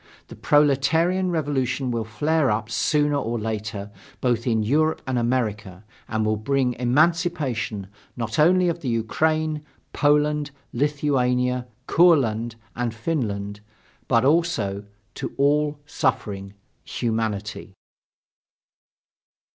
The proletarian revolution will flare up, sooner or later, both in Europe and America, and will bring emancipation not only to the Ukraine, Poland, Lithuania, Courland, and Finland, but also to all suffering humanity.